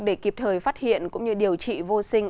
để kịp thời phát hiện cũng như điều trị vô sinh